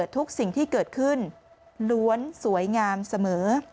ทุกสิ่งที่เกิดขึ้นล้วนสวยงามเสมอ